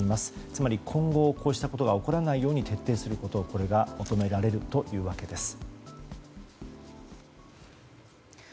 つまり今後こうしたことが起こらないように徹底することが求められるというわけです。